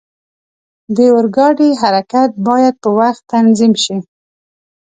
د اورګاډي حرکت باید په وخت تنظیم شي.